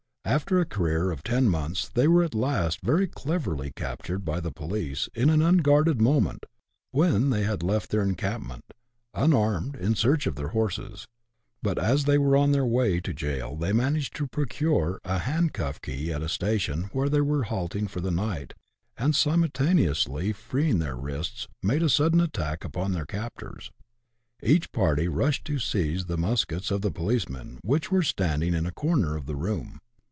After a career of ten months, they were at last very cleverly captured by the police, in an unguarded moment, when they had left their encampment, unarmed, in search of their horses. But as they were on their way to jail they managed to procure a handcuff key at a station where they were halting for the night, and, simultaneously free ing their wrists, made a sudden attack upon their captors. Each party rushed to seize the muskets of the policemen, which were standing in a corner of the room.